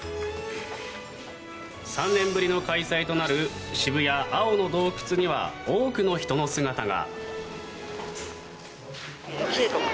３年ぶりの開催となる青の洞窟ＳＨＩＢＵＹＡには多くの人の姿が。